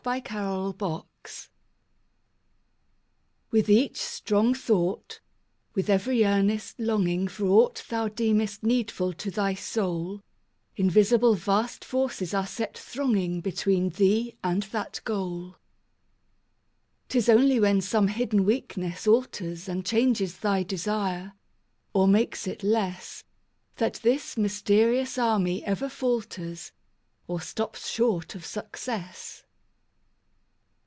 THOUGHT MAGNETS With each strong thought, with every earnest longing For aught thou deemest needful to thy soul, Invisible vast forces are set thronging Between thee and that goal 'Tis only when some hidden weakness alters And changes thy desire, or makes it less, That this mysterious army ever falters Or stops short of success.